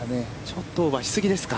ちょっとオーバーし過ぎですか。